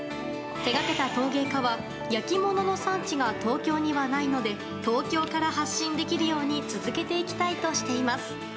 手がけた陶芸家は焼き物の産地が東京にはないので東京から発信できるように続けていきたいとしています。